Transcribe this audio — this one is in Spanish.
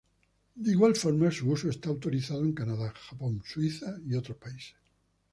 De igual forma su uso está autorizado en Canadá, Japón, Suiza y otros países.